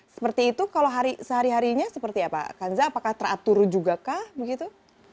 seperti itu kalau sehari harinya seperti apa kanza apakah teratur juga kah begitu